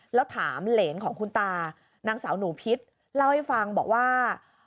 แล้วถามเหรนของคุณตานางสาวหนูพิษเล่าให้ฟังบอกว่า